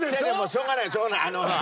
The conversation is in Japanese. しょうがないしょうがない。